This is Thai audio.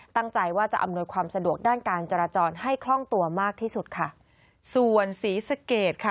ตั้งใจว่าจะอำนวยความสะดวกด้านการจราจรให้คล่องตัวมากที่สุดค่ะส่วนศรีสะเกดค่ะ